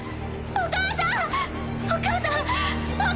お母さん！